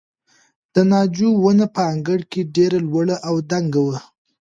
د ناجو ونه په انګړ کې ډېره لوړه او دنګه وه.